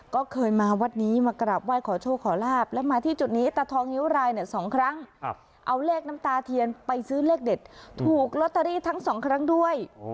ก็เคยมาวัดนี้มากราบไหว้ขอโชคขอลาบและมาที่จุดนี้ตาทองนิ้วรายเนี่ย๒ครั้งเอาเลขน้ำตาเทียนไปซื้อเลขเด็ดถูกลอตเตอรี่ทั้งสองครั้งด้วย